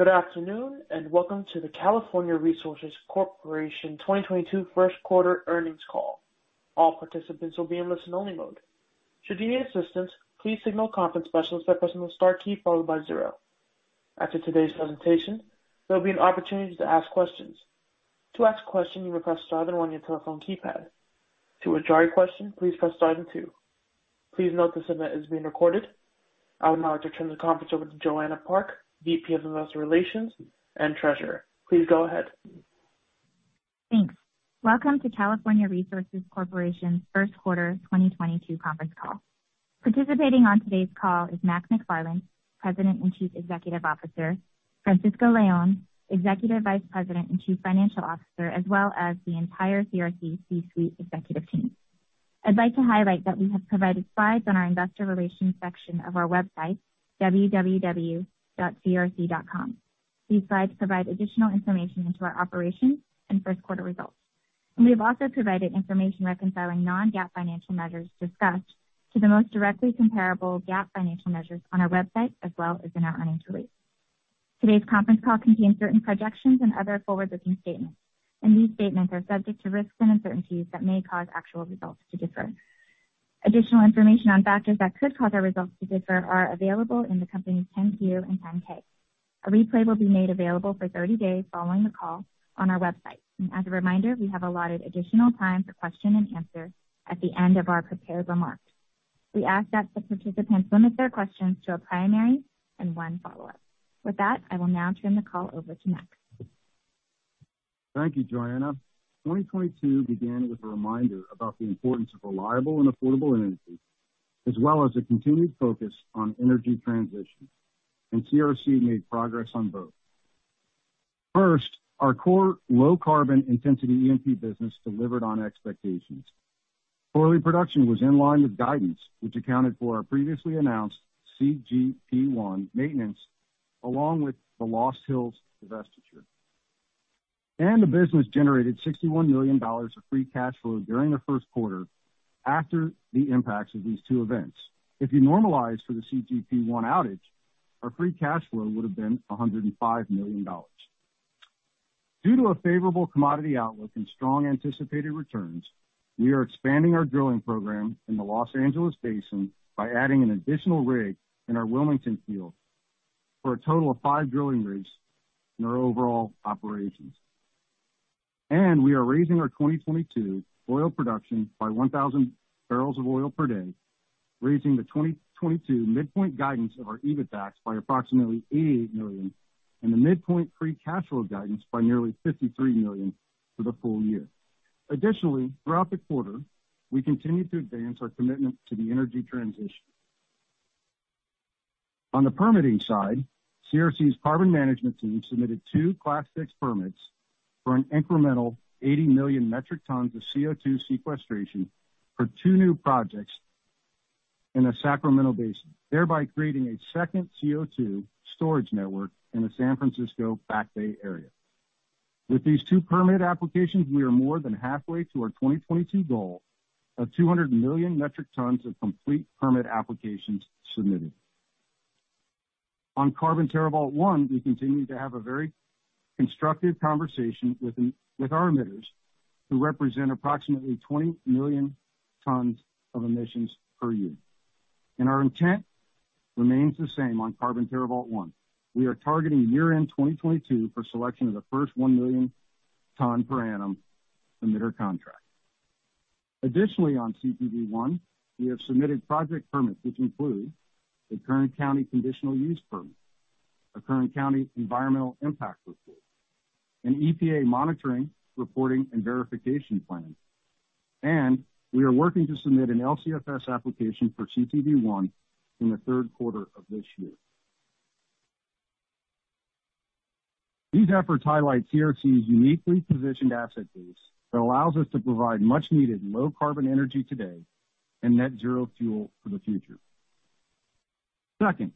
Good afternoon, and welcome to the California Resources Corporation 2022 Q1 earnings call. All participants will be in listen-only mode. Should you need assistance, please contact the conference specialist by pressing the star key followed by zero. After today's presentation, there'll be an opportunity to ask questions. To ask a question, you press star then one on your telephone keypad. To withdraw your question, please press star then two. Please note this event is being recorded. I would now like to turn the conference over to Joanna Park, VP of Investor Relations and Treasurer. Please go ahead. Thanks. Welcome to California Resources Corporation's Q1 2022 conference call. Participating on today's call is Mac McFarland, President and CEO, Francisco Leon, EVP and CFO, as well as the entire CRC C-suite executive team. I'd like to highlight that we have provided slides on our investor relations section of our website, www.crc.com. These slides provide additional information into our operations and Q1 results. We have also provided information reconciling non-GAAP financial measures discussed to the most directly comparable GAAP financial measures on our website as well as in our earnings release. Today's conference call contains certain projections and other forward-looking statements, and these statements are subject to risks and uncertainties that may cause actual results to differ. Additional information on factors that could cause our results to differ are available in the company's 10-K and 10-Q. A replay will be made available for 30 days following the call on our website. As a reminder, we have allotted additional time for question and answer at the end of our prepared remarks. We ask that the participants limit their questions to a primary and one follow-up. With that, I will now turn the call over to Mac. Thank you, Joanna. 2022 began with a reminder about the importance of reliable and affordable energy, as well as a continued focus on energy transition, and CRC made progress on both. First, our core low carbon intensity E&P business delivered on expectations. Quarterly production was in line with guidance, which accounted for our previously announced CGP1 maintenance, along with the Lost Hills divestiture. The business generated $61 million of free cash flow during the Q1 after the impacts of these two events. If you normalize for the CGP1 outage, our free cash flow would have been $105 million. Due to a favorable commodity outlook and strong anticipated returns, we are expanding our drilling program in the Los Angeles Basin by adding an additional rig in our Wilmington field for a total of five drilling rigs in our overall operations. We are raising our 2022 oil production by 1,000 barrels of oil per day, raising the 2022 midpoint guidance of our EBITDAX by approximately $88 million and the midpoint free cash flow guidance by nearly $53 million for the full year. Additionally, throughout the quarter, we continued to advance our commitment to the energy transition. On the permitting side, CRC's carbon management team submitted two Class VI permits for an incremental 80 million metric tons of CO₂ sequestration for two new projects in the Sacramento Basin, thereby creating a second CO₂ storage network in the San Francisco Bay Area. With these two permit applications, we are more than halfway to our 2022 goal of 200 million metric tons of complete permit applications submitted. On Carbon TerraVault One, we continue to have a very constructive conversation with our emitters who represent approximately 20 million tons of emissions per year. Our intent remains the same on Carbon TerraVault One. We are targeting year-end 2022 for selection of the first 1 million ton per annum emitter contract. Additionally, on CTV one, we have submitted project permits, which include the current county conditional use permit, a current county environmental impact report, an EPA monitoring, reporting, and verification plan, and we are working to submit an LCFS application for CTV one in the Q3 of this year. These efforts highlight CRC's uniquely positioned asset base that allows us to provide much-needed low carbon energy today and net zero fuel for the future. Second,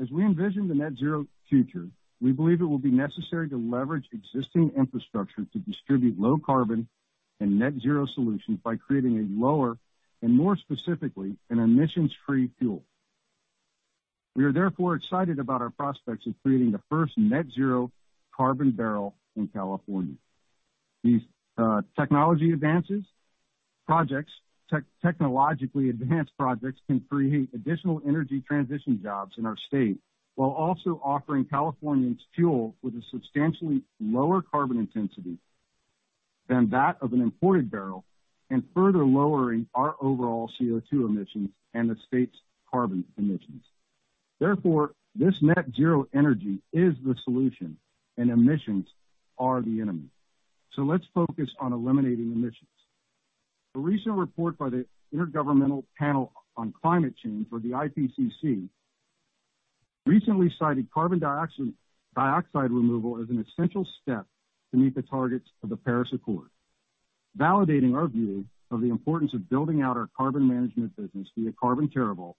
as we envision the net zero future, we believe it will be necessary to leverage existing infrastructure to distribute low carbon and net zero solutions by creating a lower and more specifically, an emissions-free fuel. We are therefore excited about our prospects of creating the first net zero carbon barrel in California. These technologically advanced projects can create additional energy transition jobs in our state while also offering Californians fuel with a substantially lower carbon intensity than that of an imported barrel and further lowering our overall CO₂ emissions and the state's carbon emissions. Therefore, this net zero energy is the solution and emissions are the enemy. Let's focus on eliminating emissions. A recent report by the Intergovernmental Panel on Climate Change or the IPCC recently cited carbon dioxide removal as an essential step to meet the targets of the Paris Agreement, validating our view of the importance of building out our carbon management business via Carbon TerraVault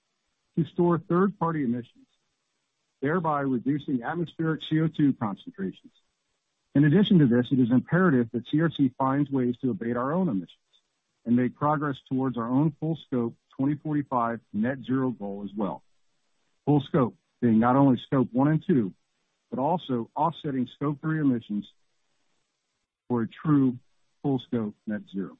to store third-party emissions, thereby reducing atmospheric CO₂ concentrations. In addition to this, it is imperative that CRC finds ways to abate our own emissions and make progress towards our own full scope 2045 net zero goal as well. Full scope being not only Scope one and two, but also offsetting Scope three emissions for a true full scope net zero.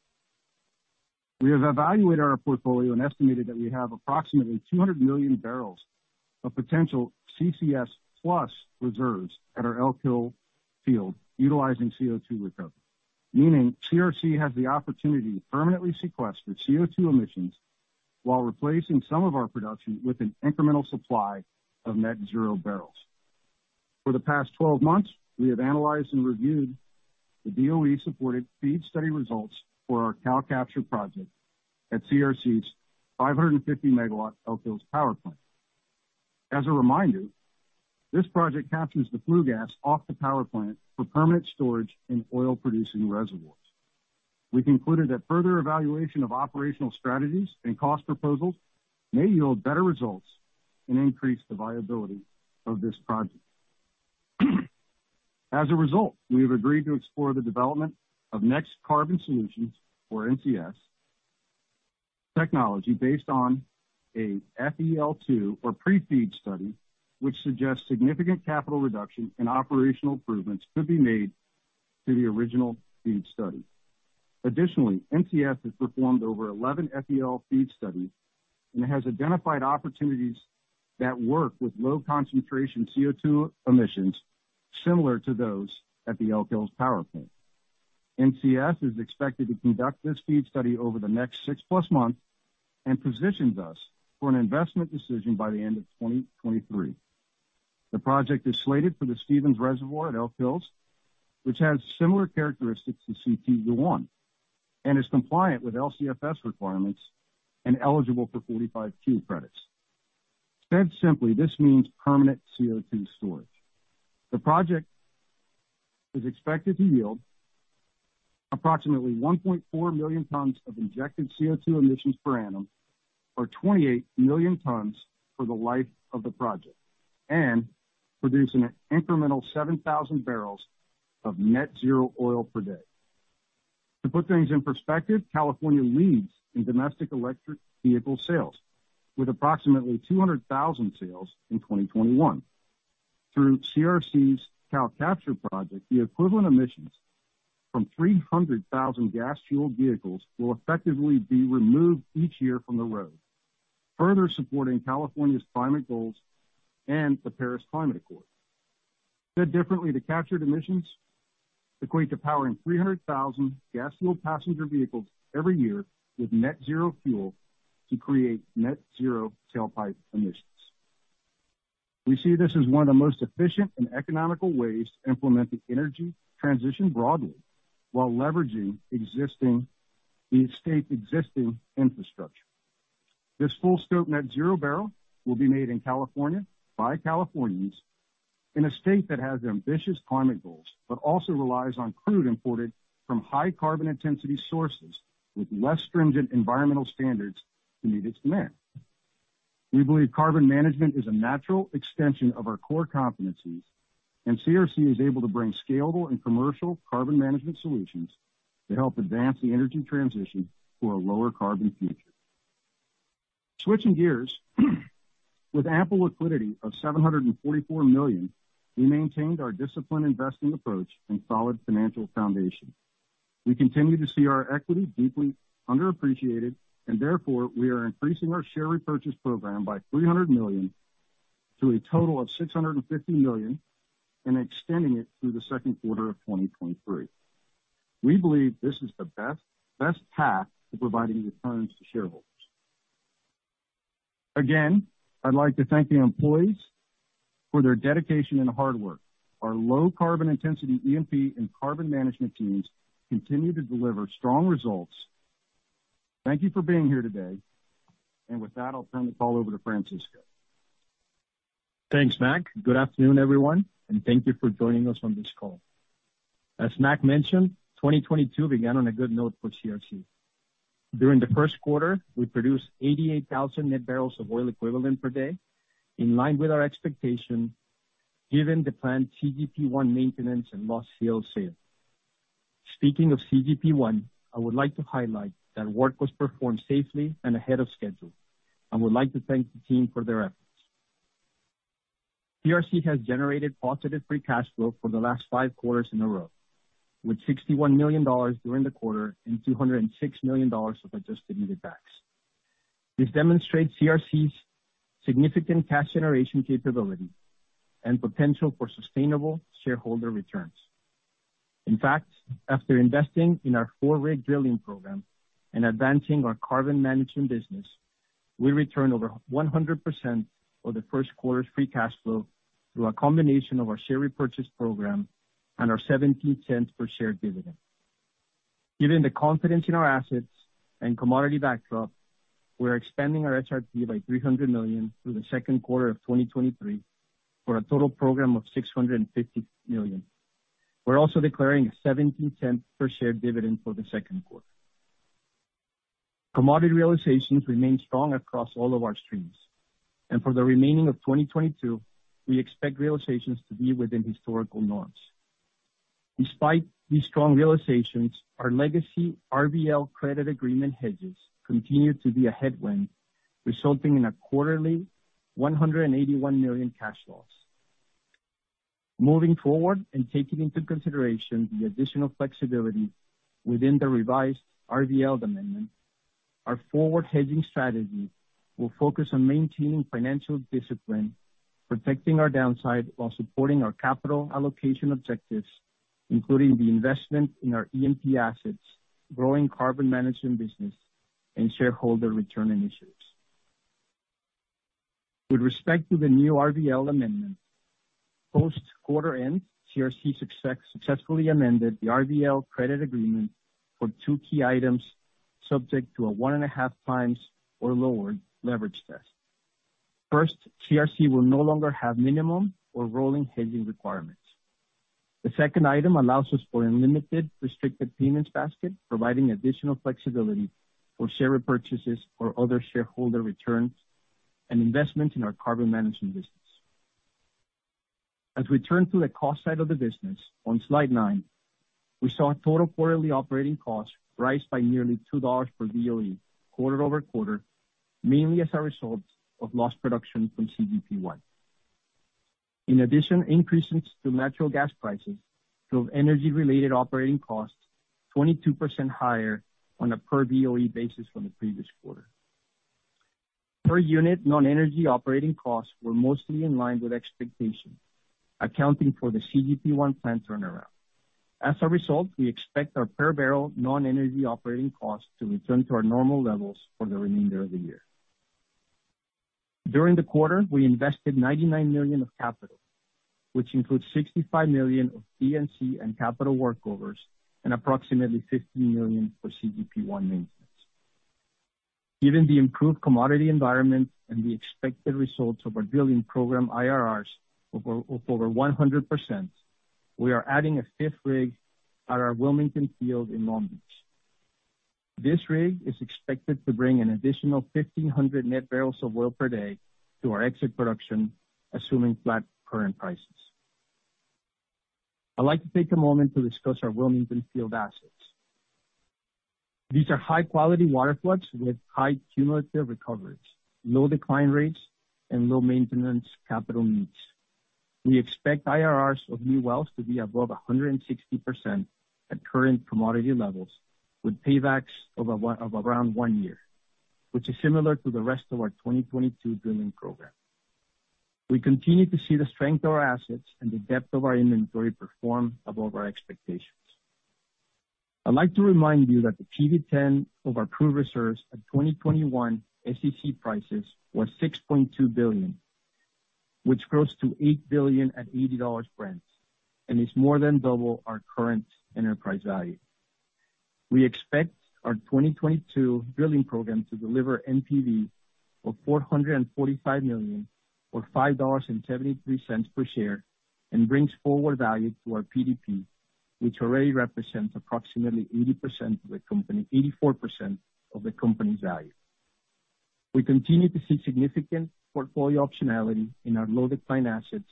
We have evaluated our portfolio and estimated that we have approximately 200 million barrels of potential CCS plus reserves at our Elk Hills field utilizing CO₂ recovery, meaning CRC has the opportunity to permanently sequester CO₂ emissions while replacing some of our production with an incremental supply of net zero barrels. For the past 12 months, we have analyzed and reviewed the DOE-supported FEED study results for our CalCapture project at CRC's 550-megawatt Elk Hills Power Plant. As a reminder, this project captures the flue gas off the power plant for permanent storage in oil-producing reservoirs. We concluded that further evaluation of operational strategies and cost proposals may yield better results and increase the viability of this project. As a result, we have agreed to explore the development of NEXT Carbon Solutions, or NCS, technology based on a FEL2 or pre-FEED study, which suggests significant capital reduction and operational improvements could be made to the original FEED study. Additionally, NCS has performed over 11 FEL FEED studies and has identified opportunities that work with low concentration CO₂ emissions similar to those at the Elk Hills Power Plant. NCS is expected to conduct this FEED study over the next six+ months and positions us for an investment decision by the end of 2023. The project is slated for the Stevens Reservoir at Elk Hills, which has similar characteristics to CTV I and is compliant with LCFS requirements and eligible for 45Q credits. Said simply, this means permanent CO₂ storage. The project is expected to yield approximately 1.4 million tons of injected CO₂ emissions per annum or 28 million tons for the life of the project, and producing an incremental 7,000 barrels of net zero oil per day. To put things in perspective, California leads in domestic electric vehicle sales with approximately 200,000 sales in 2021. Through CRC's CalCapture project, the equivalent emissions from 300,000 gas-fueled vehicles will effectively be removed each year from the road, further supporting California's climate goals and the Paris Climate Accord. Said differently, the captured emissions equate to powering 300,000 gas-fueled passenger vehicles every year with net zero fuel to create net zero tailpipe emissions. We see this as one of the most efficient and economical ways to implement the energy transition broadly while leveraging the state's existing infrastructure. This full scope net zero barrel will be made in California by Californians in a state that has ambitious climate goals, but also relies on crude imported from high carbon intensity sources with less stringent environmental standards to meet its demand. We believe carbon management is a natural extension of our core competencies, and CRC is able to bring scalable and commercial carbon management solutions to help advance the energy transition to a lower carbon future. Switching gears, with ample liquidity of $744 million, we maintained our disciplined investing approach and solid financial foundation. We continue to see our equity deeply underappreciated, and therefore, we are increasing our share repurchase program by $300 million to a total of $650 million and extending it through the second quarter of 2023. We believe this is the best path to providing returns to shareholders. Again, I'd like to thank the employees for their dedication and hard work. Our low carbon intensity E&P and carbon management teams continue to deliver strong results. Thank you for being here today. With that, I'll turn the call over to Francisco. Thanks, Mack. Good afternoon, everyone, and thank you for joining us on this call. As Mack mentioned, 2022 began on a good note for CRC. During the first quarter, we produced 88,000 net barrels of oil equivalent per day in line with our expectation given the planned CGP-1 maintenance and Lost Hills sale. Speaking of CGP-1, I would like to highlight that work was performed safely and ahead of schedule, and would like to thank the team for their efforts. CRC has generated positive free cash flow for the last five quarters in a row, with $61 million during the quarter and $206 million of adjusted EBITDAX. This demonstrates CRC's significant cash generation capability and potential for sustainable shareholder returns. In fact, after investing in our four-rig drilling program and advancing our carbon management business, we return over 100% of the first quarter's free cash flow through a combination of our share repurchase program and our $0.17 per share dividend. Given the confidence in our assets and commodity backdrop, we're expanding our SRP by $300 million through the second quarter of 2023 for a total program of $650 million. We're also declaring a $0.17 per share dividend for the second quarter. Commodity realizations remain strong across all of our streams, and for the remaining of 2022, we expect realizations to be within historical norms. Despite these strong realizations, our legacy RBL credit agreement hedges continue to be a headwind, resulting in a quarterly $181 million cash loss. Moving forward and taking into consideration the additional flexibility within the revised RBL amendment, our forward-hedging strategy will focus on maintaining financial discipline, protecting our downside while supporting our capital allocation objectives, including the investment in our E&P assets, growing carbon management business, and shareholder return initiatives. With respect to the new RBL amendment, post quarter end, CRC successfully amended the RBL credit agreement for two key items subject to a 1.5× or lower leverage test. First, CRC will no longer have minimum or rolling hedging requirements. The second item allows for unlimited restricted payments basket, providing additional flexibility for share repurchases or other shareholder returns and investments in our carbon management business. As we turn to the cost side of the business on slide 9, we saw total quarterly operating costs rise by nearly $2 per BOE quarter-over-quarter, mainly as a result of lost production from CGP1. In addition, increases to natural gas prices drove energy-related operating costs 22% higher on a per BOE basis from the previous quarter. Per unit, non-energy operating costs were mostly in line with expectations, accounting for the CGP1 plant turnaround. As a result, we expect our per barrel non-energy operating costs to return to our normal levels for the remainder of the year. During the quarter, we invested $99 million of capital, which includes $65 million of D&C and capital workovers and approximately $15 million for CGP1 maintenance. Given the improved commodity environment and the expected results of our drilling program IRRs of over 100%, we are adding a 5th rig at our Wilmington field in Long Beach. This rig is expected to bring an additional 1,500 net barrels of oil per day to our exit production, assuming flat current prices. I'd like to take a moment to discuss our Wilmington field assets. These are high-quality water floods with high cumulative recoveries, low decline rates, and low maintenance capital needs. We expect IRRs of new wells to be above 160% at current commodity levels, with paybacks of around 1 year, which is similar to the rest of our 2022 drilling program. We continue to see the strength of our assets and the depth of our inventory perform above our expectations. I'd like to remind you that the PV-10 of our proved reserves at 2021 SEC prices were $6.2 billion, which grows to $8 billion at $80 Brent, and is more than double our current enterprise value. We expect our 2022 drilling program to deliver NPV of $445 million or $5.73 per share, and brings forward value to our PDP, which already represents approximately 80% of the company, 84% of the company's value. We continue to see significant portfolio optionality in our low decline assets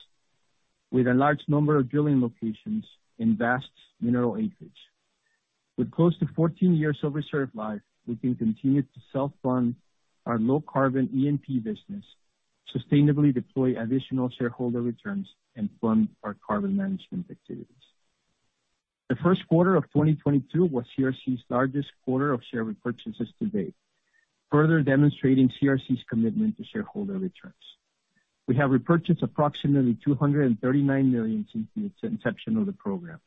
with a large number of drilling locations in vast mineral acreage. With close to 14 years of reserve life, we can continue to self-fund our low carbon E&P business, sustainably deploy additional shareholder returns, and fund our carbon management activities. The first quarter of 2022 was CRC's largest quarter of share repurchases to date, further demonstrating CRC's commitment to shareholder returns. We have repurchased approximately $239 million since the inception of the program,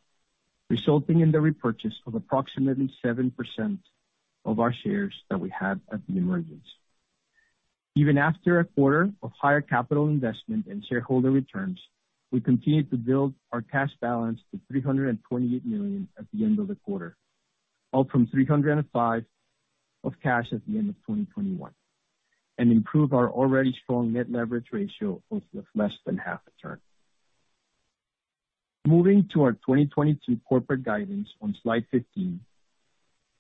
resulting in the repurchase of approximately 7% of our shares that we have at the emergence. Even after a quarter of higher capital investment in shareholder returns, we continue to build our cash balance to $328 million at the end of the quarter, up from $305 million of cash at the end of 2021, and improve our already strong net leverage ratio of less than half a turn. Moving to our 2022 corporate guidance on slide 15,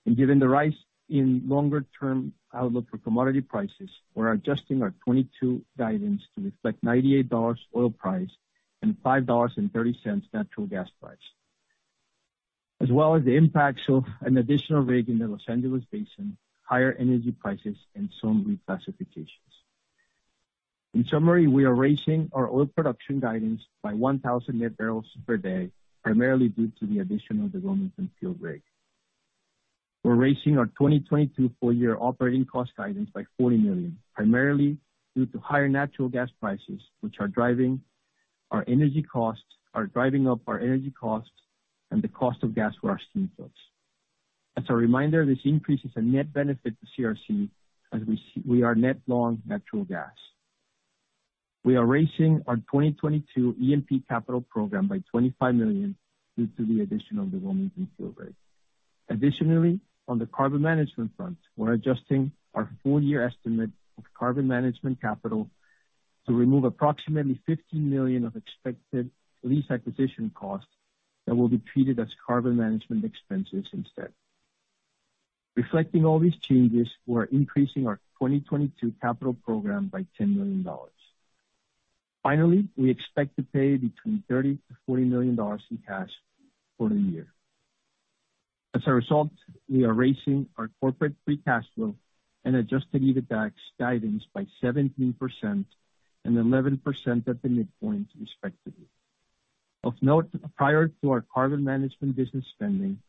and given the rise in longer-term outlook for commodity prices, we're adjusting our 2022 guidance to reflect $98 oil price and $5.30 natural gas price. As well as the impacts of an additional rig in the Los Angeles Basin, higher energy prices, and some reclassifications. In summary, we are raising our oil production guidance by 1,000 net barrels per day, primarily due to the addition of the Wilmington field rig. We're raising our 2022 full year operating cost guidance by $40 million, primarily due to higher natural gas prices, which are driving up our energy costs and the cost of gas for our steam floods. As a reminder, this increase is a net benefit to CRC as we are net long natural gas. We are raising our 2022 E&P capital program by $25 million due to the addition of the Wilmington field rig. Additionally, on the carbon management front, we're adjusting our full year estimate of carbon management capital to remove approximately $15 million of expected lease acquisition costs that will be treated as carbon management expenses instead. Reflecting all these changes, we are increasing our 2022 capital program by $10 million. Finally, we expect to pay between $30-$40 million in cash for the year. As a result, we are raising our corporate free cash flow and Adjusted EBITDA guidance by 17% and 11% at the midpoint respectively. Of note, prior to our carbon management business spending,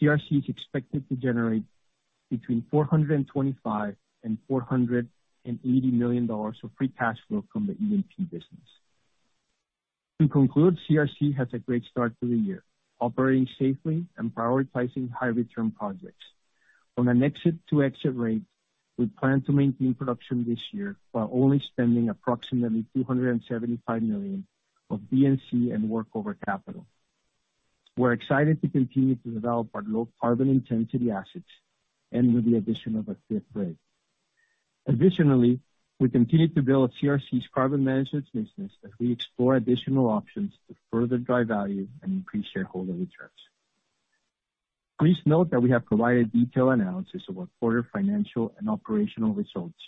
CRC is expected to generate between $425 million and $480 million of free cash flow from the E&P business. To conclude, CRC has a great start to the year, operating safely and prioritizing high return projects. On an exit-to-exit rate, we plan to maintain production this year while only spending approximately $275 million of D&C and workover capital. We're excited to continue to develop our low carbon intensity assets and with the addition of a fifth rig. Additionally, we continue to build CRC's carbon management business as we explore additional options to further drive value and increase shareholder returns. Please note that we have provided detailed analysis of our quarterly financial and operational results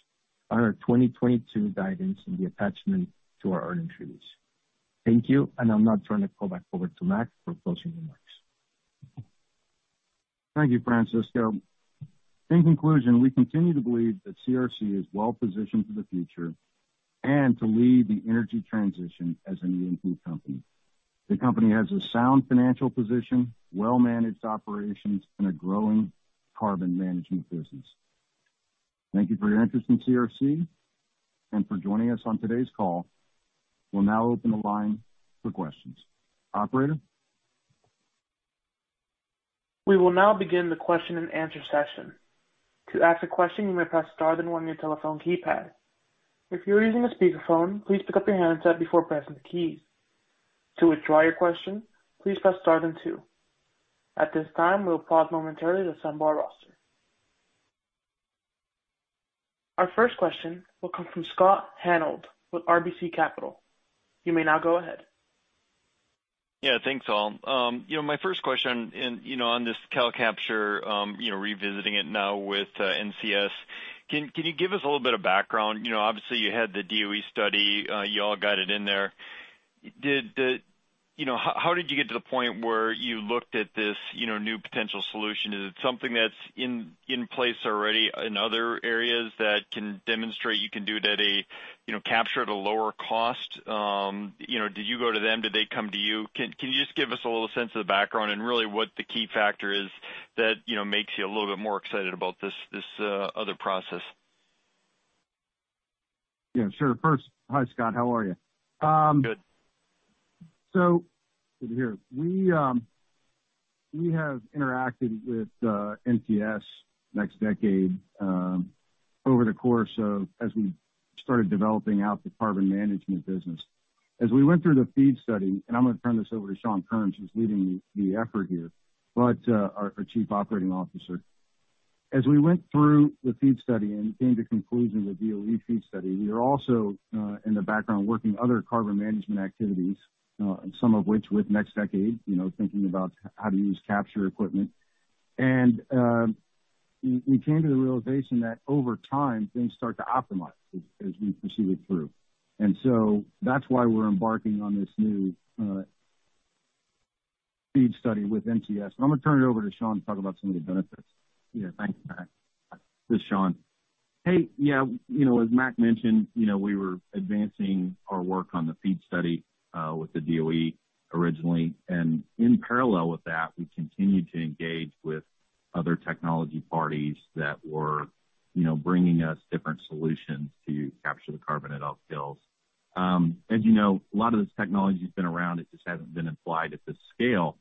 and our 2022 guidance in the attachment to our earnings release. Thank you, and I'll now turn the call back over to Mac for closing remarks. Thank you, Francisco. In conclusion, we continue to believe that CRC is well-positioned for the future and to lead the energy transition as an E&P company. The company has a sound financial position, well-managed operations, and a growing carbon management business. Thank you for your interest in CRC and for joining us on today's call. We'll now open the line for questions. Operator? We will now begin the question-and-answer session. To ask a question, you may press star then one on your telephone keypad. If you are using a speakerphone, please pick up your handset before pressing the keys. To withdraw your question, please press star then two. At this time, we'll pause momentarily to assemble our roster. Our first question will come from Scott Hanold with RBC Capital Markets. You may now go ahead. Yeah, thanks all. You know, my first question, you know, on this CalCapture, you know, revisiting it now with NCS. Can you give us a little bit of background? You know, obviously you had the DOE study, you all got it in there. You know, how did you get to the point where you looked at this, you know, new potential solution? Is it something that's in place already in other areas that can demonstrate you can do it, you know, capture at a lower cost? You know, did you go to them? Did they come to you? Can you just give us a little sense of the background and really what the key factor is that, you know, makes you a little bit more excited about this other process? Yeah, sure. First, hi, Scott. How are you? Good. Good to hear. We have interacted with NCS, Next Decade, over the course of as we started developing out the carbon management business. As we went through the FEED study, and I'm gonna turn this over to Shawn Kerns, who's leading the effort here, but our chief operating officer. As we went through the FEED study and came to conclusion with DOE FEED study, we were also in the background working other carbon management activities, some of which with Next Decade, you know, thinking about how to use capture equipment. We came to the realization that over time, things start to optimize as we proceed through. That's why we're embarking on this new FEED study with NCS. I'm gonna turn it over to Shawn Kerns to talk about some of the benefits. Yeah, thanks, Mac. This is Shawn. Hey, yeah, you know, as Mac mentioned, you know, we were advancing our work on the FEED study with the DOE originally. In parallel with that, we continued to engage with other technology partners that were, you know, bringing us different solutions to capture the carbon at Elk Hills. As you know, a lot of this technology has been around, it just hasn't been applied at this scale.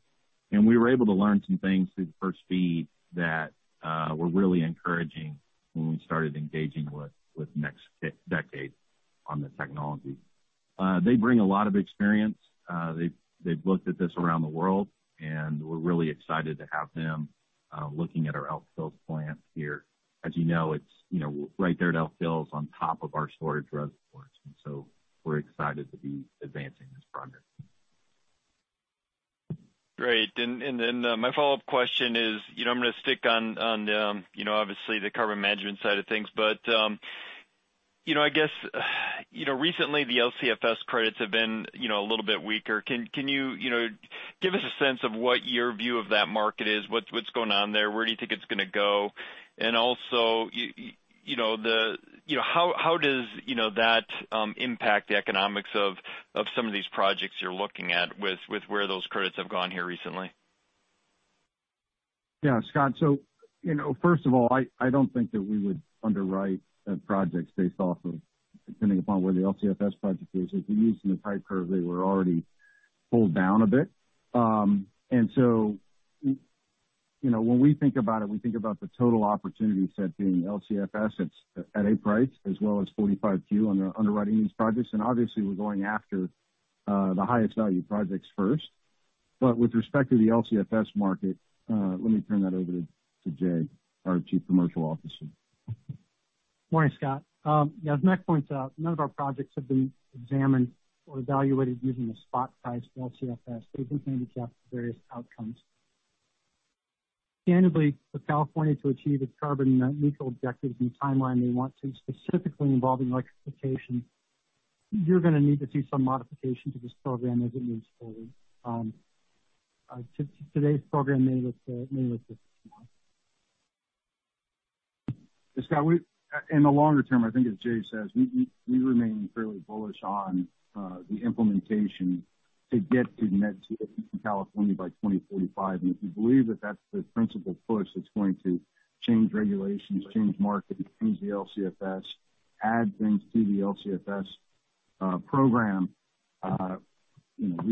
We were able to learn some things through the first FEED that were really encouraging when we started engaging with NextDecade on the technology. They bring a lot of experience. They've looked at this around the world, and we're really excited to have them looking at our Elk Hills plant here. As you know, it's, you know, right there at Elk Hills on top of our storage reservoirs, and so we're excited to be advancing this project. Great. Then my follow-up question is, you know, I'm gonna stick on, you know, obviously the carbon management side of things. You know, I guess, you know, recently the LCFS credits have been, you know, a little bit weaker. Can you know, give us a sense of what your view of that market is? What's going on there? Where do you think it's gonna go? Also, you know, you know, how does, you know, that impact the economics of some of these projects you're looking at with where those credits have gone here recently? Yeah, Scott. You know, first of all, I don't think that we would underwrite a project based off of depending upon where the LCFS project is. If you're using the type curve, they were already pulled down a bit. You know, when we think about it, we think about the total opportunity set being LCFS at a price as well as 45Q in our underwriting these projects, and obviously we're going after the highest value projects first. With respect to the LCFS market, let me turn that over to Jay, our Chief Commercial Officer. Morning, Scott. Yeah, as Mac points out, none of our projects have been examined or evaluated using the spot price for LCFS. They've been handicapped for various outcomes. Annually, for California to achieve its carbon net-neutral objectives and timeline they want to, specifically involving electrification, you're gonna need to see some modification to this program as it moves forward. Today's program may look different now. Scott, in the longer term, I think as Jay says, we remain fairly bullish on the implementation to get to net zero in California by 2045. If we believe that that's the principal push that's going to change regulations, change market, change the LCFS, add things to the LCFS program, you know,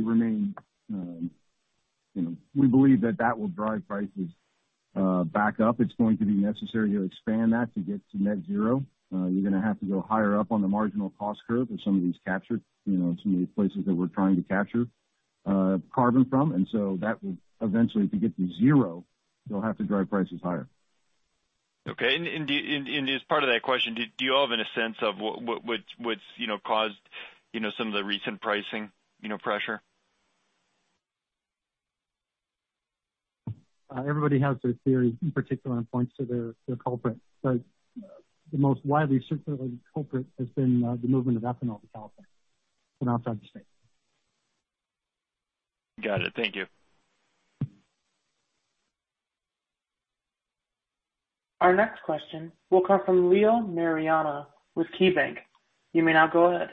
we believe that that will drive prices back up. It's going to be necessary to expand that to get to net zero. You're gonna have to go higher up on the marginal cost curve as some of these capture, you know, some of these places that we're trying to capture carbon from. That would eventually, to get to zero, you'll have to drive prices higher. Okay. As part of that question, do you all have any sense of what's, you know, caused, you know, some of the recent pricing, you know, pressure? Everybody has their theory in particular points to their culprit. The most widely circulated culprit has been the movement of ethanol to California from outside the state. Got it. Thank you. Our next question will come from Leo Mariani with KeyBanc. You may now go ahead.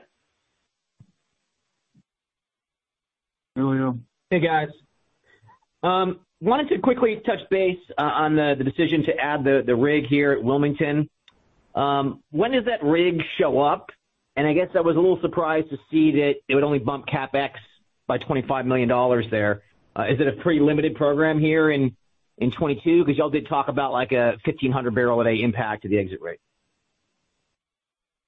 Hey, Leo. Hey, guys. Wanted to quickly touch base on the decision to add the rig here at Wilmington. When does that rig show up? I guess I was a little surprised to see that it would only bump CapEx by $25 million there. Is it a pretty limited program here in 2022? 'Cause y'all did talk about like a 1,500 barrel a day impact to the exit rate.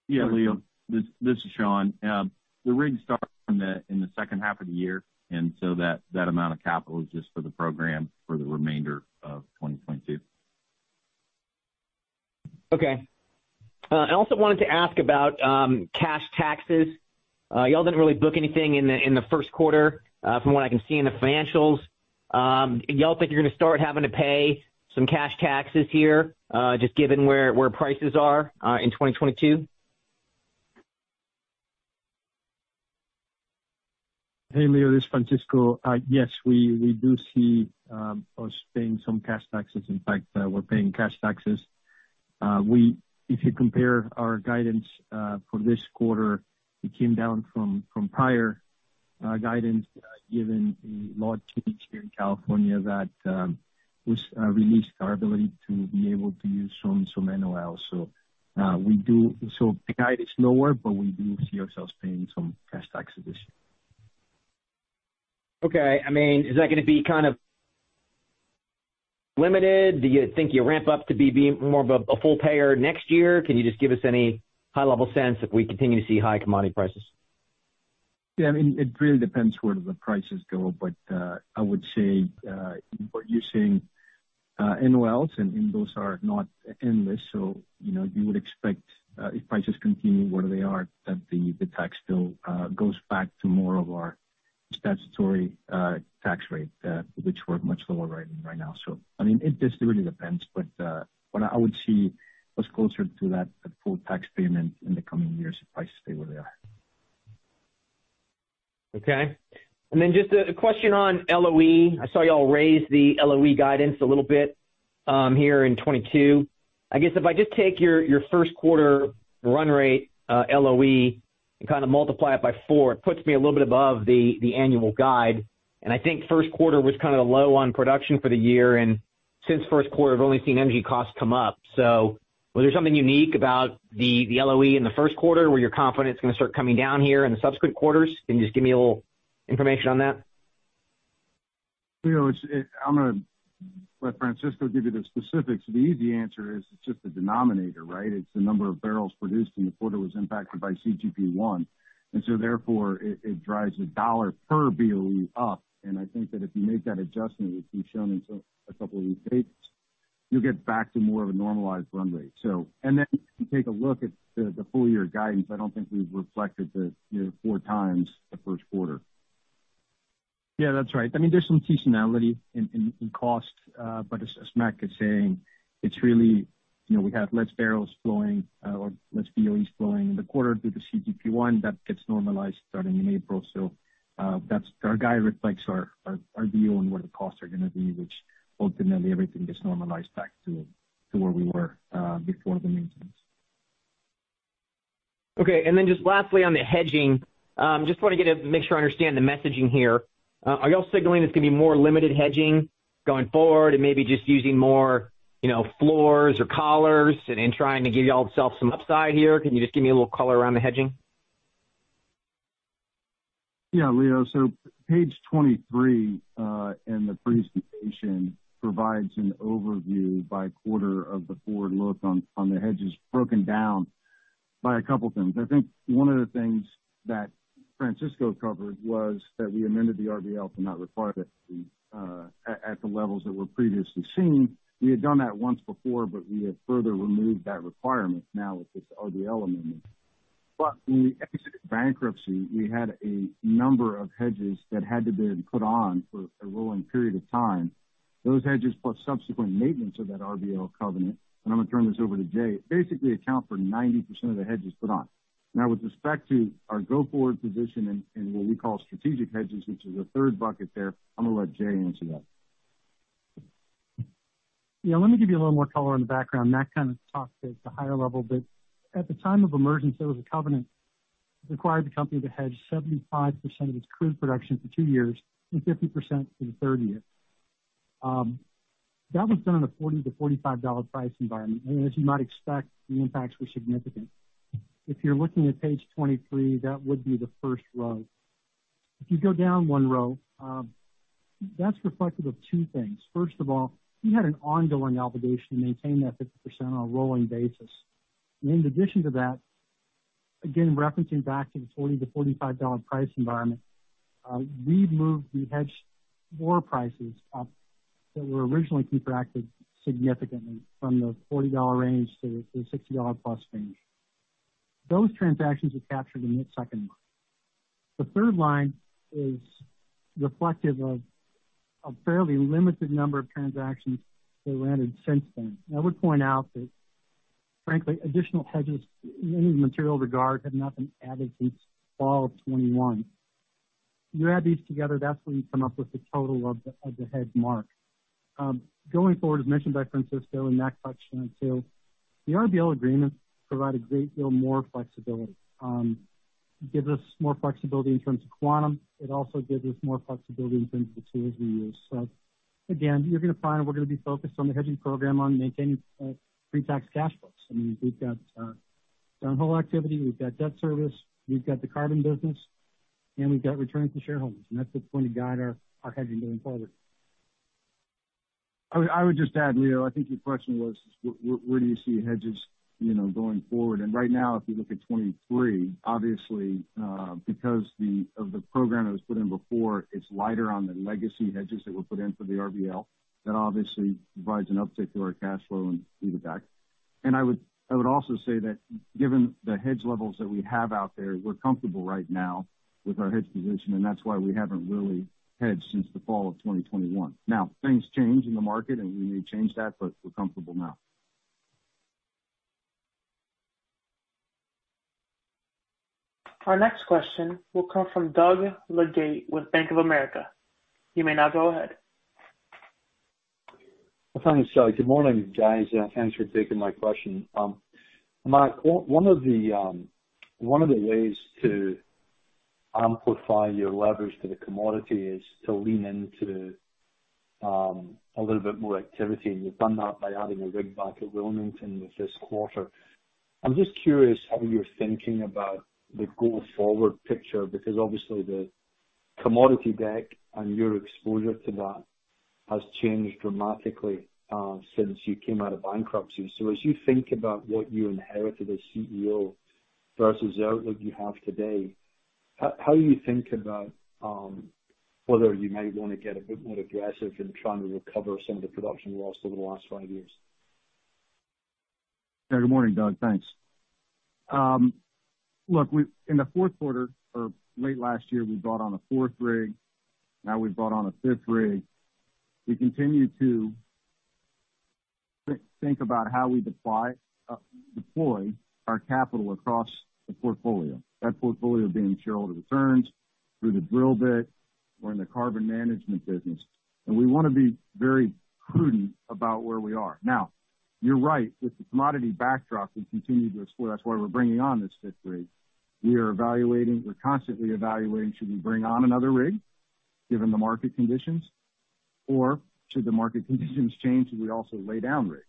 Yeah, Leo. This is Shawn. The rig starts in the second half of the year, and so that amount of capital is just for the program for the remainder of 2022. Okay. I also wanted to ask about cash taxes. Y'all didn't really book anything in the Q1, from what I can see in the financials. Y'all think you're gonna start having to pay some cash taxes here, just given where prices are in 2022? Hey, Leo, this is Francisco. Yes, we do see us paying some cash taxes. In fact, we're paying cash taxes. If you compare our guidance for this quarter, it came down from prior guidance given the law change here in California that has released our ability to be able to use some NOLs. The guide is lower, but we do see ourselves paying some cash tax this year. Okay. I mean, is that gonna be kind of limited? Do you think you'll ramp up to be more of a full payer next year? Can you just give us any high-level sense if we continue to see high commodity prices? Yeah. I mean, it really depends where do the prices go. I would say we're using NOLs, and those are not endless. You know, you would expect if prices continue where they are, that the tax bill goes back to more of our statutory tax rate, which we're much lower right now. I mean, it just really depends. What I would see us closer to that full tax payment in the coming years if prices stay where they are. Okay. Just a question on LOE. I saw y'all raise the LOE guidance a little bit here in 2022. I guess if I just take your Q1 run rate LOE and kinda multiply it by four, it puts me a little bit above the annual guide. I think first quarter was kinda low on production for the year, and since first quarter, we've only seen energy costs come up. Was there something unique about the LOE in the Q1, or you're confident it's gonna start coming down here in the subsequent quarters? Can you just give me a little information on that? Leo, it's—I'm gonna let Francisco give you the specifics. The easy answer is it's just the denominator, right? It's the number of barrels produced in the quarter was impacted by CGP1. Therefore, it drives the dollar per BOE up. I think that if you make that adjustment, which we've shown in a couple of these pages, you'll get back to more of a normalized run rate, so. If you take a look at the full year guidance, I don't think we've reflected the, you know, four times the Q1. Yeah, that's right. I mean, there's some seasonality in cost. As Mac is saying, it's really, you know, we have less barrels flowing or less BOEs flowing in the quarter due to CGP1. That gets normalized starting in April. That's our guide reflects our view on what the costs are gonna be, which ultimately everything gets normalized back to where we were before the maintenance. Okay. Just lastly, on the hedging, just wanna make sure I understand the messaging here. Are y'all signaling there's gonna be more limited hedging going forward and maybe just using more, you know, floors or collars and trying to give y'all itself some upside here? Can you just give me a little color around the hedging? Yeah, Leo. Page 23 in the presentation provides an overview by quarter of the forward look on the hedges broken down by a couple things. I think one of the things that Francisco covered was that we amended the RBL to not require that we at the levels that were previously seen. We had done that once before, but we have further removed that requirement now with this RBL amendment. When we exited bankruptcy, we had a number of hedges that had to have been put on for a rolling period of time. Those hedges, plus subsequent maintenance of that RBL covenant, and I'm gonna turn this over to Jay, basically account for 90% of the hedges put on. Now, with respect to our go-forward position in what we call strategic hedges, which is a third bucket there, I'm gonna let Jay answer that. Yeah, let me give you a little more color on the background. Mark kind of talked at the higher level, but at the time of emergence, there was a covenant that required the company to hedge 75% of its crude production for two years and 50% for the third year. That was done in a $40-$45 price environment. As you might expect, the impacts were significant. If you're looking at page 23, that would be the first row. If you go down one row, that's reflective of two things. First of all, we had an ongoing obligation to maintain that 50% on a rolling basis. In addition to that, again, referencing back to the $40-$45 price environment, we moved the hedged oil prices up that were originally contracted significantly from the $40 range to the $60+ range. Those transactions are captured in that second line. The third line is reflective of a fairly limited number of transactions that were entered since then. I would point out that, frankly, additional hedges in any material regard have not been added since fall of 2021. You add these together, that's when you come up with the total of the hedge mark. Going forward, as mentioned by Francisco in that question too, the RBL agreement provide a great deal more flexibility. It gives us more flexibility in terms of quantum. It also gives us more flexibility in terms of the tools we use. Again, you're gonna find we're gonna be focused on the hedging program, on maintaining pre-tax cash flows. I mean, we've got downhole activity, we've got debt service, we've got the carbon business, and we've got returns to shareholders, and that's going to guide our hedging moving forward. I would just add, Leo, I think your question was where do you see hedges, you know, going forward? Right now, if you look at 2023, obviously, because of the program that was put in before, it's lighter on the legacy hedges that were put in for the RBL. That obviously provides an uptick to our cash flow and through the deck. I would also say that given the hedge levels that we have out there, we're comfortable right now with our hedge position, and that's why we haven't really hedged since the fall of 2021. Now, things change in the market, and we may change that, but we're comfortable now. Our next question will come from Doug Leggate with Bank of America. You may now go ahead. Thanks. Good morning, guys. Thanks for taking my question. Mark, one of the ways to amplify your leverage to the commodity is to lean into a little bit more activity, and you've done that by adding a rig back at Wilmington with this quarter. I'm just curious how you're thinking about the go-forward picture, because obviously the commodity deck and your exposure to that has changed dramatically since you came out of bankruptcy. As you think about what you inherited as CEO versus what you have today, how do you think about whether you may wanna get a bit more aggressive in trying to recover some of the production loss over the last five years? Yeah. Good morning, Doug. Thanks. In the fourth quarter or late last year, we brought on a fourth rig. Now we've brought on a fifth rig. We continue to think about how we deploy our capital across the portfolio, that portfolio being shareholder returns through the drill bit. We're in the carbon management business, and we wanna be very prudent about where we are. Now, you're right. If the commodity backdrop can continue to explore, that's why we're bringing on this fifth rig. We are evaluating. We're constantly evaluating should we bring on another rig given the market conditions, or should the market conditions change, should we also lay down rigs?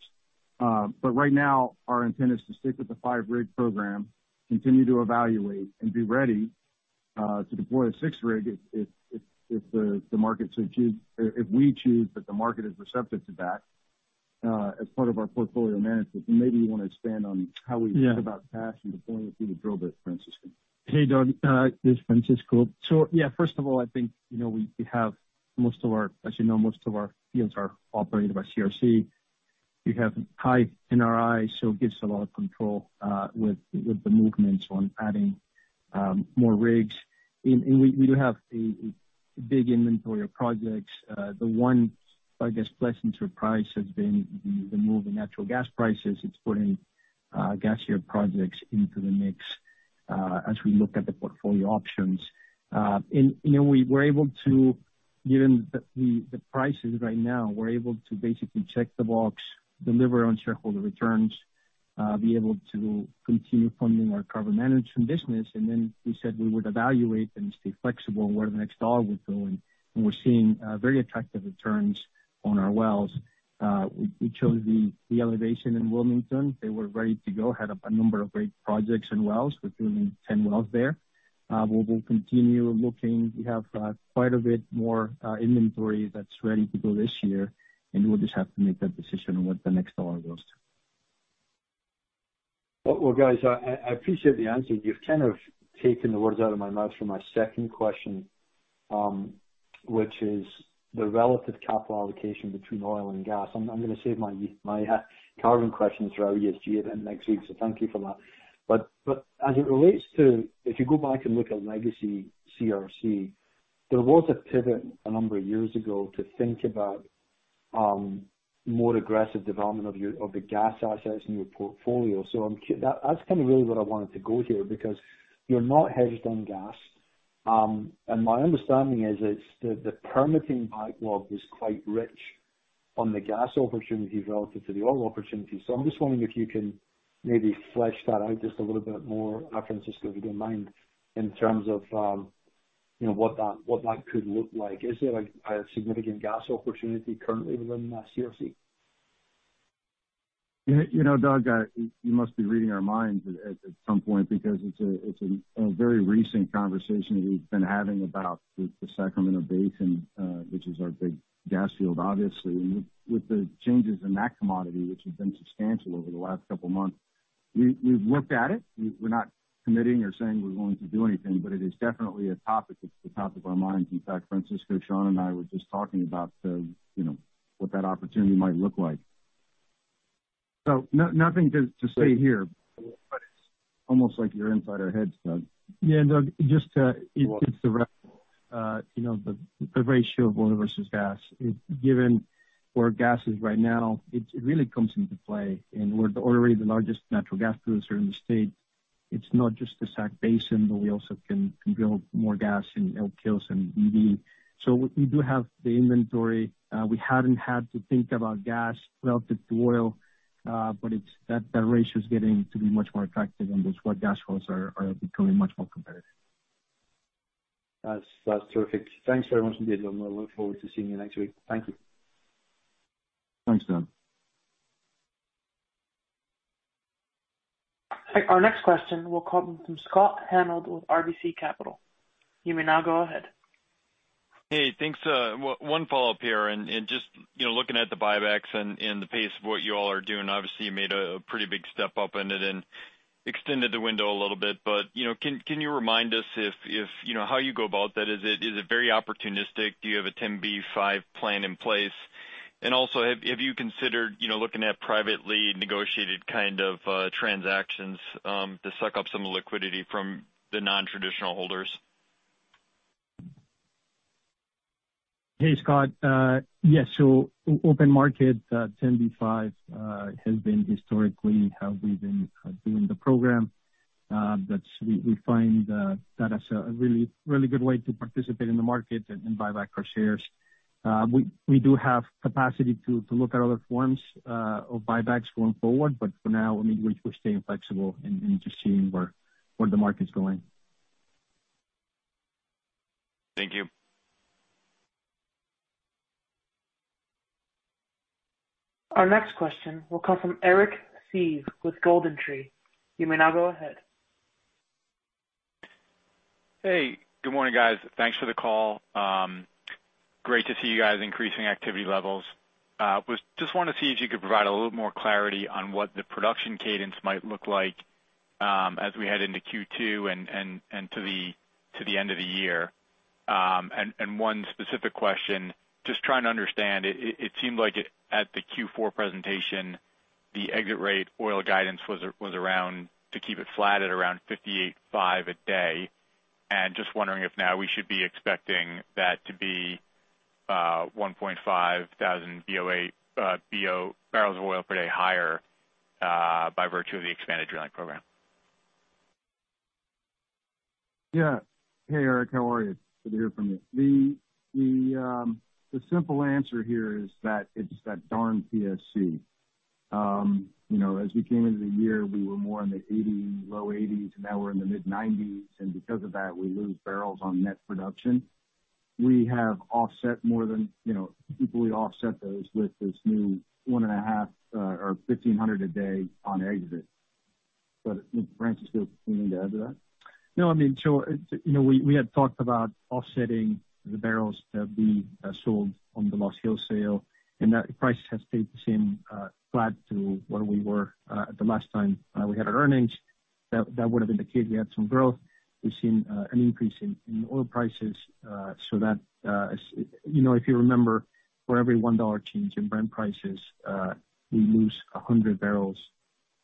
Right now, our intent is to stick with the five-rig program, continue to evaluate and be ready to deploy a sixth rig if the market should choose. If we choose that the market is receptive to that, as part of our portfolio management. Maybe you wanna expand on how we think about cash and deployment through the drill bit, Francisco. Hey, Doug. This is Francisco. Yeah, first of all, I think, you know, as you know, most of our fields are operated by CRC. We have high NRI, so it gives us a lot of control with the movements on adding more rigs. We do have a big inventory of projects. The one, I guess, pleasant surprise has been the moving natural gas prices. It's putting gasser projects into the mix as we look at the portfolio options. You know, given the prices right now, we're able to basically check the box, deliver on shareholder returns, be able to continue funding our carbon management business, and then we said we would evaluate and stay flexible where the next dollar would go. We're seeing very attractive returns on our wells. We chose the elevation in Wilmington. They were ready to go, had a number of great projects and wells. We're drilling 10 wells there. We will continue looking. We have quite a bit more inventory that's ready to go this year, and we'll just have to make that decision on what the next dollar goes to. Well, well guys, I appreciate the answer. You've kind of taken the words out of my mouth for my second question, which is the relative capital allocation between oil and gas. I'm gonna save my carbon questions for our ESG event next week, so thank you for that. As it relates to if you go back and look at legacy CRC, there was a pivot a number of years ago to think about more aggressive development of the gas assets in your portfolio. That's kind of really what I wanted to go here because you're not hedged on gas. My understanding is the permitting backlog is quite rich on the gas opportunities relative to the oil opportunities. I'm just wondering if you can maybe flesh that out just a little bit more, Francisco, if you don't mind, in terms of, you know, what that could look like. Is there, like, a significant gas opportunity currently within CRC? You know, Doug, you must be reading our minds at some point because it's a very recent conversation we've been having about the Sacramento Basin, which is our big gas field, obviously. With the changes in that commodity, which have been substantial over the last couple of months, we've looked at it. We're not committing or saying we're going to do anything, but it is definitely a topic at the top of our minds. In fact, Francisco, Sean and I were just talking about you know, what that opportunity might look like. So nothing to say here, but it's almost like you're inside our heads, Doug. Yeah, Doug, you know, the ratio of oil versus gas. Given where gas is right now, it really comes into play. We're already the largest natural gas producer in the state. It's not just the Sac Basin, but we also can build more gas in Elk Hills and Edna. We do have the inventory. We haven't had to think about gas relative to oil, but that ratio is getting to be much more attractive, and that's why gas wells are becoming much more competitive. That's terrific. Thanks very much indeed. I'm looking forward to seeing you next week. Thank you. Thanks, Doug. Our next question will come from Scott Hanold with RBC Capital. You may now go ahead. Hey, thanks. One follow-up here, and just, you know, looking at the buybacks and the pace of what you all are doing, obviously you made a pretty big step up in it and extended the window a little bit. You know, can you remind us if, you know, how you go about that? Is it very opportunistic? Do you have a 10b5-1 plan in place? Also, have you considered, you know, looking at privately negotiated kind of transactions to suck up some liquidity from the non-traditional holders? Hey, Scott. Yes. Open market 10b5-1 has been historically how we've been doing the program. That's a really good way to participate in the market and buy back our shares. We do have capacity to look at other forms of buybacks going forward, but for now, I mean, we're staying flexible and just seeing where the market's going. Thank you. Our next question will come from Eric Seeve with GoldenTree. You may now go ahead. Hey, good morning, guys. Thanks for the call. Great to see you guys increasing activity levels. Just wanted to see if you could provide a little more clarity on what the production cadence might look like, as we head into Q2 and to the end of the year. One specific question, just trying to understand, it seemed like it at the Q4 presentation, the exit rate oil guidance was around to keep it flat at around 58,500 a day. Just wondering if now we should be expecting that to be 1,500 BOE, barrels of oil per day higher, by virtue of the expanded drilling program. Yeah. Hey, Eric, how are you? Good to hear from you. The simple answer here is that it's that darn PSC. You know, as we came into the year, we were more in the 80%, low 80s, now we're in the mid-90s, and because of that, we lose barrels on net production. We have offset more than, you know, equally offset those with this new 1.5 or 1,500 a day on exit. But Francisco, do you need to add to that? No, I mean, you know, we had talked about offsetting the barrels that we sold on the Lost Hills sale, and that price has stayed the same, flat to where we were at the last time we had our earnings. That would have indicated we have some growth. We've seen an increase in oil prices. You know, if you remember, for every $1 change in Brent prices, we lose 100 barrels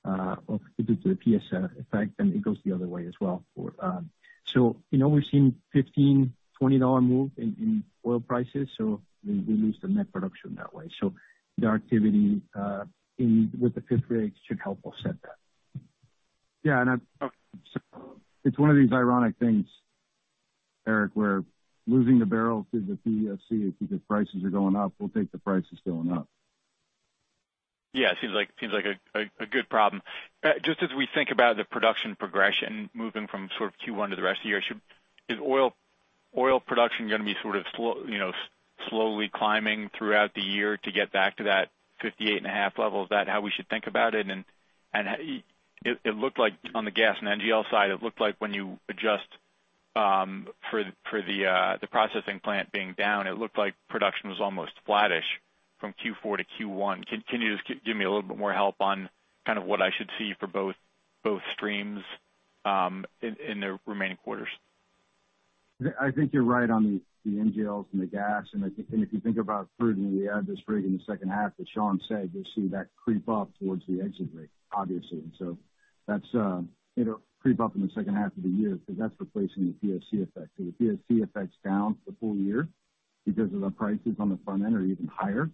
due to the PSR effect, and it goes the other way as well. You know, we've seen a $15-$20 move in oil prices, so we lose the net production that way. The activity with the fifth rig should help offset that. It's one of these ironic things, Eric, where losing the barrels due to PSC is because prices are going up, we'll take the prices going up. Yeah, it seems like a good problem. Just as we think about the production progression moving from sort of Q1 to the rest of the year, is oil production gonna be sort of slow, you know, slowly climbing throughout the year to get back to that 58.5 level? Is that how we should think about it? It looked like on the gas and NGL side, it looked like when you adjust for the processing plant being down, it looked like production was almost flattish from Q4 to Q1. Can you just give me a little bit more help on kind of what I should see for both streams in the remaining quarters? I think you're right on the NGLs and the gas. I think if you think about prudently, we add this rig in the second half, as Shawn said, you'll see that creep up towards the exit rate, obviously. It'll creep up in the second half of the year because that's replacing the PSC effect. The PSC effect's down for the full year because the prices on the front end are even higher.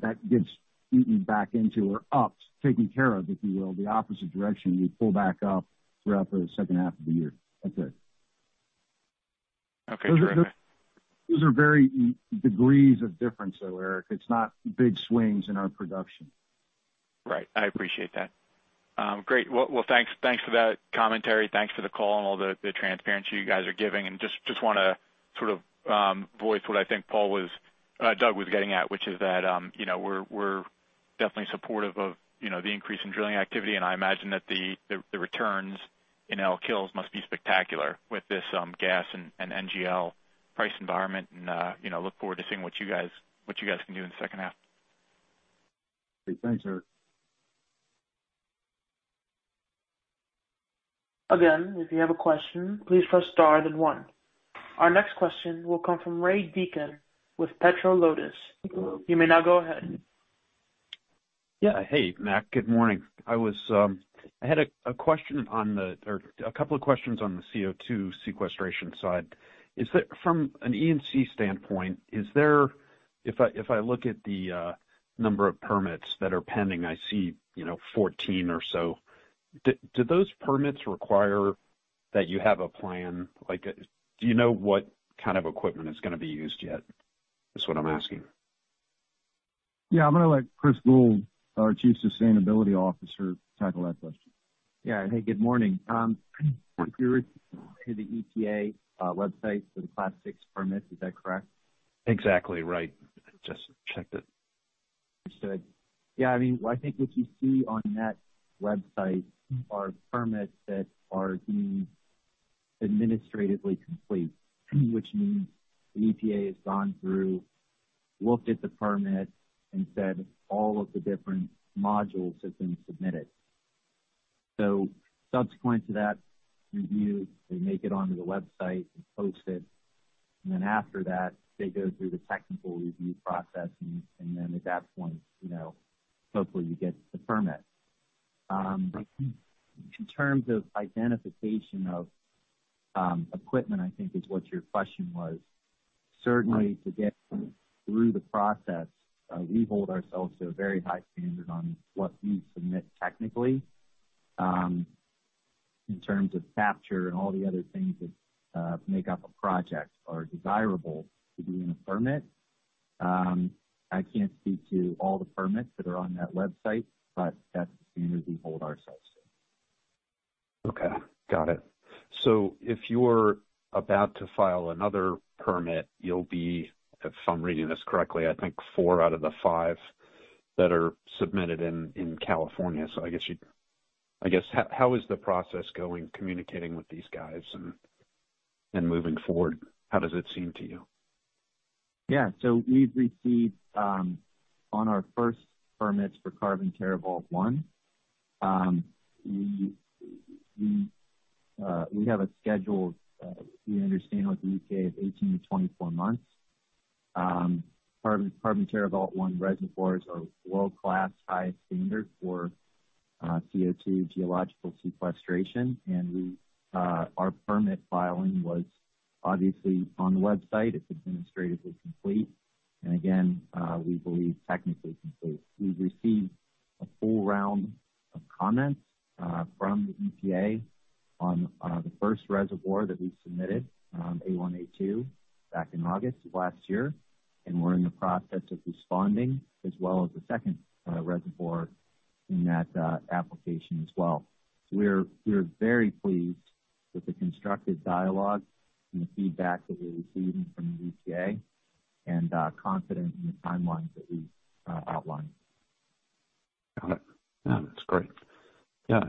That gets eaten back into or ups, taken care of, if you will, the opposite direction. You pull back up throughout the second half of the year. That's it. Okay, great. Those are mere degrees of difference though, Eric. It's not big swings in our production. Right. I appreciate that. Great. Well, thanks for that commentary. Thanks for the call and all the transparency you guys are giving. Just wanna sort of voice what I think Paul was, Doug was getting at, which is that, you know, we're definitely supportive of, you know, the increase in drilling activity. I imagine that the returns in Elk Hills must be spectacular with this gas and NGL price environment and, you know, look forward to seeing what you guys can do in the second half. Okay. Thanks, Eric. Again, if you have a question, please press star then one. Our next question will come from Ray Deacon with Petro Lotus. You may now go ahead. Yeah. Hey, Matt. Good morning. I had a question or a couple of questions on the CO2 sequestration side. Is that from an EPA standpoint? If I look at the number of permits that are pending, I see, you know, 14 or so. Do those permits require that you have a plan? Like, do you know what kind of equipment is gonna be used yet? Is what I'm asking. Yeah, I'm gonna let Chris Gould, our Chief Sustainability Officer, tackle that question. Yeah. Hey, good morning. If you go to the EPA website for the Class VI permit, is that correct? Exactly right. Just checked it. Understood. Yeah, I mean, I think what you see on that website are permits that are deemed administratively complete, which means the EPA has gone through, looked at the permit and said all of the different modules have been submitted. Subsequent to that review, they make it onto the website and post it. After that, they go through the technical review process and then at that point, you know, hopefully you get the permit. In terms of identification of equipment, I think is what your question was. Certainly to get through the process, we hold ourselves to a very high standard on what we submit technically, in terms of capture and all the other things that make up a project are desirable to be in a permit. I can't speak to all the permits that are on that website, but that's the standard we hold ourselves to. Okay. Got it. If you're about to file another permit, you'll be, if I'm reading this correctly, I think four out of the five that are submitted in California. I guess, how is the process going communicating with these guys and moving forward? How does it seem to you? Yeah. We've received on our first permits for Carbon TerraVault I, we have a schedule we understand with the EPA of 18-24 months. Carbon TerraVault I reservoir is a world-class high standard for CO₂ geological sequestration. Our permit filing was obviously on the website. It's administratively complete. Again, we believe technically complete. We've received a full round of comments from the EPA on the first reservoir that we submitted, A1, A2 back in August of last year. We're in the process of responding as well as the second reservoir in that application as well. We're very pleased with the constructive dialogue and the feedback that we're receiving from the EPA and confident in the timelines that we outlined. Got it. Yeah, that's great. Yeah.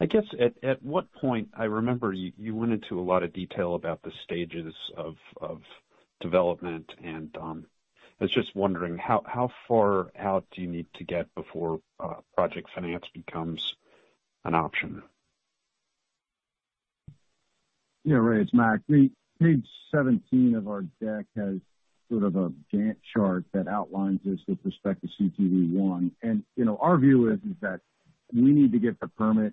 I guess at what point I remember you went into a lot of detail about the stages of development and, I was just wondering how far out do you need to get before project finance becomes an option? Yeah, Ray, it's Mark. Page 17 of our deck has sort of a Gantt chart that outlines this with respect to CTV I. You know, our view is that we need to get the permit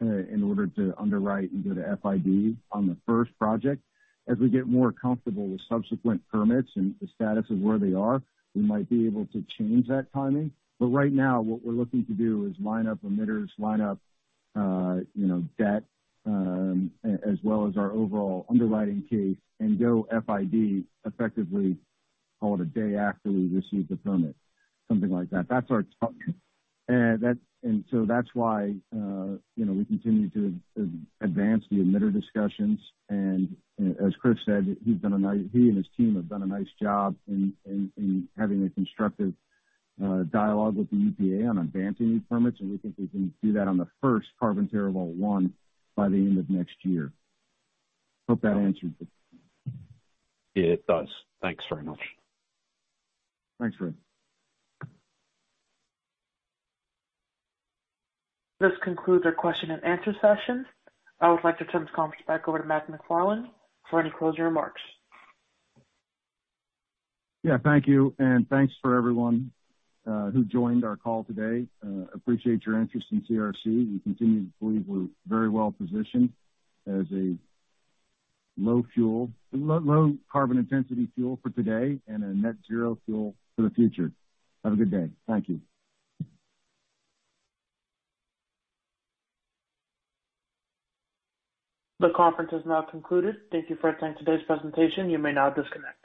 in order to underwrite and go to FID on the first project. As we get more comfortable with subsequent permits and the status of where they are, we might be able to change that timing. Right now, what we're looking to do is line up emitters, line up debt as well as our overall underwriting case and go FID effectively call it a day after we receive the permit, something like that. That's our target. That's why you know, we continue to advance the emitter discussions. As Chris said, he and his team have done a nice job in having a constructive dialogue with the EPA on advancing these permits. We think we can do that on the first Carbon TerraVault one by the end of next year. Hope that answers it. It does. Thanks very much. Thanks, Ray. This concludes our question and answer session. I would like to turn this conference back over to Mac McFarland for any closing remarks. Yeah, thank you. Thanks for everyone who joined our call today. Appreciate your interest in CRC. We continue to believe we're very well positioned as a low carbon intensity fuel for today and a net zero fuel for the future. Have a good day. Thank you. The conference has now concluded. Thank you for attending today's presentation. You may now disconnect.